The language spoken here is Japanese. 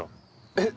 えっ？